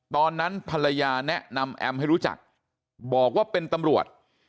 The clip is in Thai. ตอนนั้นภรรยาแนะนำแอมให้รู้จักบอกว่าเป็นตำรวจ